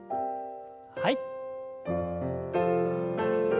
はい。